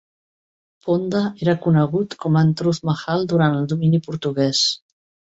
Ponda era conegut com Antruz Mahal durant el domini portuguès.